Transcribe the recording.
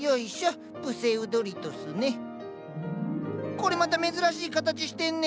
これまた珍しい形してんね。